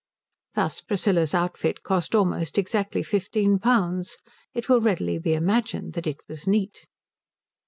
Thus Priscilla's outfit cost almost exactly fifteen pounds. It will readily be imagined that it was neat.